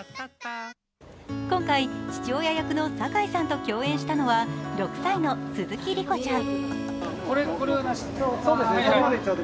今回、父親役の堺さんと共演したのは６歳の鈴木凜子ちゃん。